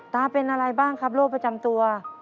เป็นอะไรบ้างครับโรคประจำตัว